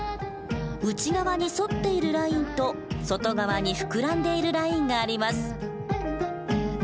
内側に反っているラインと外側に膨らんでいるラインがあります。